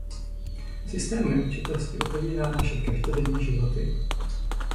Systém neurčitosti otevírá naše každodenní životy.